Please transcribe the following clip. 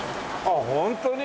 あっホントに？